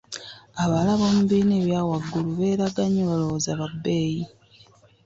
Abawala bo mu bibiina ebyawagulu beraga nnyo babwoza ba beeyi.